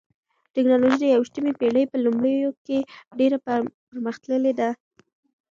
ټکنالوژي د یوویشتمې پېړۍ په لومړیو کې ډېره پرمختللې ده.